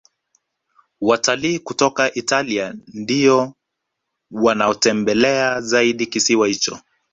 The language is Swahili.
Watalii kutoka italia ndiyo wanaotembelea zaidi kisiwa hicho